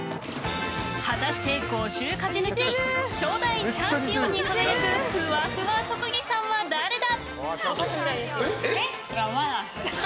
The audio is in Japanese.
果たして５週勝ち抜き初代チャンピオンに輝くふわふわ特技さんは誰だ？